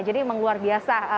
jadi memang luar biasa